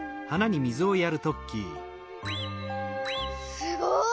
すごい。